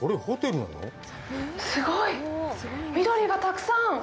すごい！緑がたくさん！